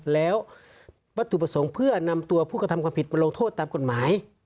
แล้ววัตถุประสงค์เพื่อนำตัวผู้กระทำความผิดมาลงโทษตามกฎหมาย